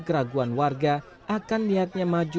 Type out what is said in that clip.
keraguan warga akan niatnya maju